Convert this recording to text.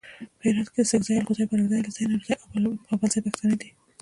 په هرات کې اڅګزي الکوزي بارګزي علیزي نورزي او پوپلزي پښتانه دي.